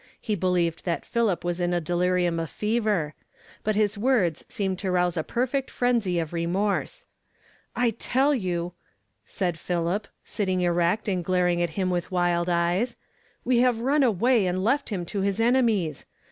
He believed that Philip was in the delirium of fever. Rut, hi« woras seemed to rouse a perfect frenzy of remorse 810 YESTERDAY FRAMED IN TO DAY. ."^*^" y«"'" S'li^l Pliilip, sitting erect and glar ing at Inm with wild eyes, "we liave run away and left him to his enemies